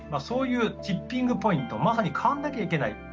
そういうティッピングポイントまさに変わんなきゃいけない。